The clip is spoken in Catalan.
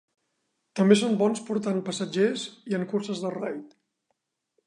També són bons portant passatgers i en curses de raid.